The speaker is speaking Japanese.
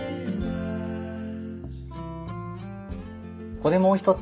ここでもう一つ！